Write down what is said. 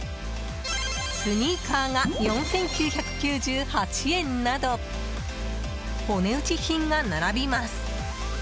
スニーカーが４９９８円などお値打ち品が並びます。